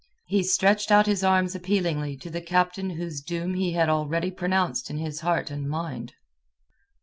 He stretched out his arms appealingly to the captain whose doom he had already pronounced in his heart and mind.